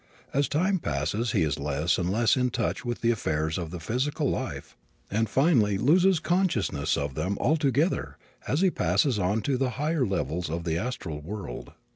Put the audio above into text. As time passes he is less and less in touch with the affairs of the physical life and finally loses consciousness of them altogether as he passes on to the higher levels of the astral world.